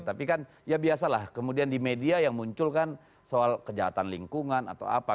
tapi kan ya biasalah kemudian di media yang muncul kan soal kejahatan lingkungan atau apa